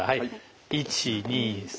１２３。